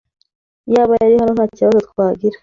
Iyaba yari hano, ntakibazo twagira.